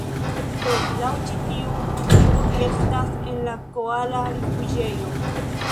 Do, laŭ ĉi tiu, mi nun estas en la koala rifuĝejo.